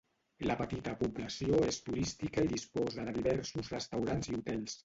La petita població és turística i disposa de diversos restaurants i hotels.